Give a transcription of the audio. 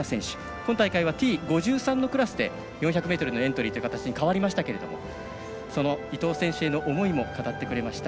今大会はＴ５３のクラスで４００ｍのエントリーという形に変わりましたけども伊藤選手への思いも語ってくれました。